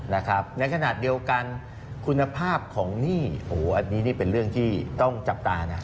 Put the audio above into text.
ในขณะเดียวกันคุณภาพของหนี้โอ้โหอันนี้นี่เป็นเรื่องที่ต้องจับตานะ